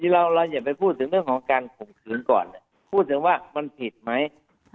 เราอย่าไปพูดถึงเรื่องของการข่มขืนก่อนพูดถึงว่ามันผิดไหม